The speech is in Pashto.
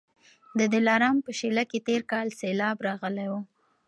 د دلارام په شېله کي تېر کال سېلاب راغلی و